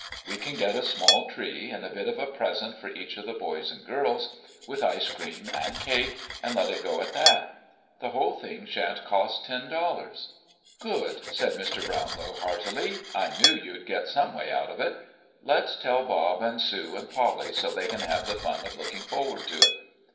We can get a small tree, and a bit of a present for each of the boys and girls, with ice cream and cake, and let it go at that. The whole thing sha'n't cost ten dollars." "Good!" said Mr. Brownlow heartily. "I knew you'd get some way out of it. Let's tell Bob and Sue and Polly, so they can have the fun of looking forward to it."